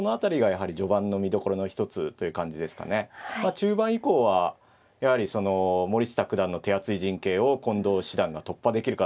中盤以降はやはりその森下九段の手厚い陣形を近藤七段が突破できるかどうか。